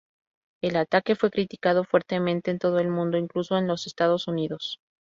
El ataque fue criticado fuertemente en todo el mundo, incluso en los Estados Unidos.